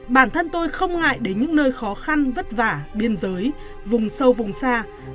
bản thân tôi không ngại đến những nơi khó khăn vất vả biên giới vùng sâu vùng xa